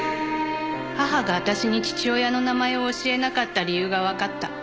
母が私に父親の名前を教えなかった理由がわかった。